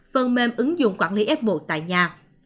phần mềm ứng dụng quản lý f một tại nhà